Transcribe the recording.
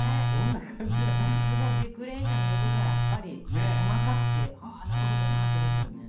さすが熟練者の言うことはやっぱり細かくて「はなるほどな」って思っちゃうよね。